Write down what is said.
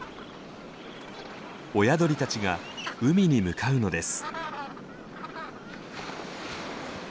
親鳥たちが海に向かうのです。